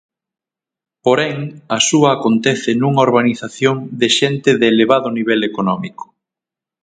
Porén, a súa acontece nunha urbanización de xente de elevado nivel económico.